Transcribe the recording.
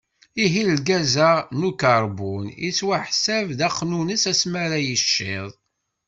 Ihi, lgaz-a n ukarbun, yettwaḥsab d axnunnes asmi ara yiciḍ.